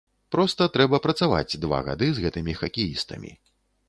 Проста трэба працаваць два гады з гэтымі хакеістамі.